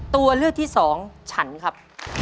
ตัวเลือกที่สองฉันครับ